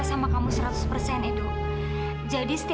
atau maka far carrie